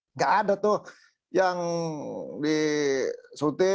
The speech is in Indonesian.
nggak ada tuh yang disuntik